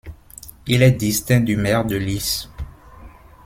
Il est distinct du maire de Lice.